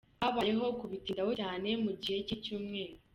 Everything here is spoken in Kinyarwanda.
Habayeho kubitindaho cyane mu gihe cy’icyumweru.